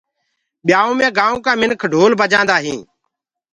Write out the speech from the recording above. ٻيآئوٚ مي گآئونٚ ڪآ منک ڍول بجآندآ هينٚ۔